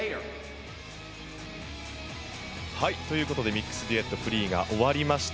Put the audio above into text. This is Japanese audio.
ミックスデュエットフリーが終わりました。